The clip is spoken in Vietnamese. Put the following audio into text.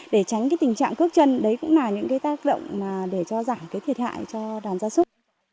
để tránh tình trạng cước chân đấy cũng là những tác động để cho giảm thiệt hại cho đàn gia súc